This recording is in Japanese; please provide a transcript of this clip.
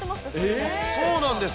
そうなんです。